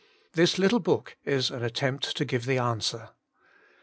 This little book is an attempt to give the answer.